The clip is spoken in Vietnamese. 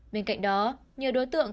bên cạnh đó nhiều đối tượng